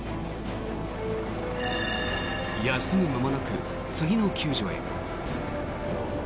休む間もなく次の救助へ。